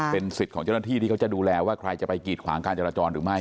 เป็นสิทธิ์ของเจ้าหน้าที่ที่เขาจะดูแลว่าใครจะไปกีดขวางการจราจรหรือไม่